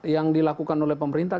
yang dilakukan oleh pemerintah